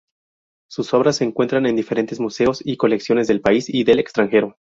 Sus obras se encuentran en diferentes Museos y colecciones del país y del extranjero.